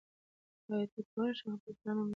ایا ته کولی شې خپل پلان عملي کړې؟